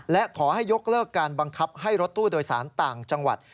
และขอให้ยกเลิกการบังคับให้รถตู้โดยสารต่างจังหวัด